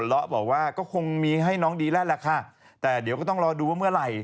แล้วบอกนางฟ้าตัวน้อยของแม่นะฮะ